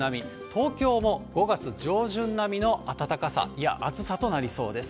東京も５月上旬並みの暖かさ、嫌、暑さとなりそうです。